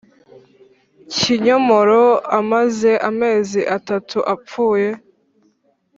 kinyomoro amaze amezi atatu apfuye